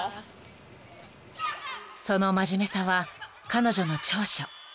［その真面目さは彼女の長所］